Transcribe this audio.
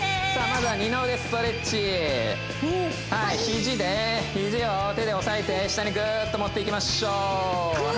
まずは二の腕ストレッチ肘で肘を手で押さえて下にグッと持っていきましょうグッ